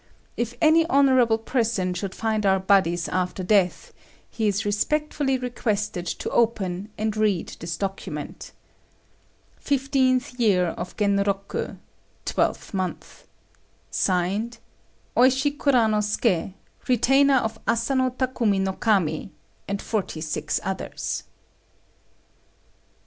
If any honourable person should find our bodies after death, he is respectfully requested to open and read this document. "15th year of Genroku. 12th month. "Signed, OISHI KURANOSUKÉ, Retainer of Asano Takumi no Kami, and forty six others."